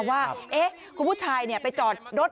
ว่าคุณผู้ชายไปจอดรถ